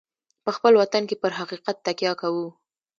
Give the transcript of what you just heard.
په خپل وطن کې پر حقیقت تکیه کوو.